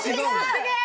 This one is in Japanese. すげえ！